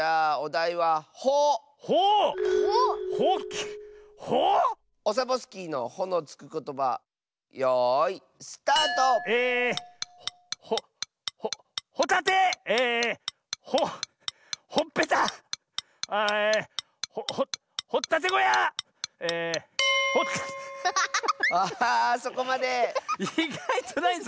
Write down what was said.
いがいとないぞ。